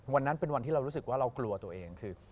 วันนั้นเป็นวันที่เรารู้สึกว่าเรากลัวตัวเองคือ